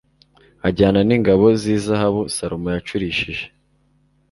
ajyana n'ingabo z'izahabu salomo yacurishije